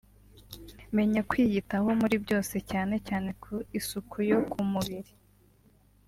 Menya kwiyitaho muri byose cyane cyane ku isuku yo ku mubiri